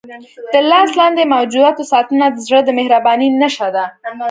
د لاس لاندې موجوداتو ساتنه د زړه د مهربانۍ نښه ده.